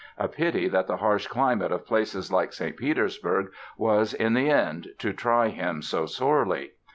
A pity that the harsh climate of places like St. Petersburg was, in the end, to try him so sorely!